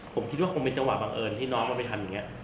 ผมคิดว่าคงมีเจาะวาบบังเอิญที่น้องมาไปทำอย่างนี้